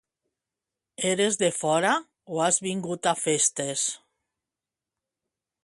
—Eres de fora o has vingut a festes?